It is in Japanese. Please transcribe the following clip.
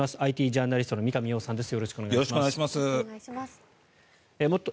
ＩＴジャーナリストの三上洋さんです。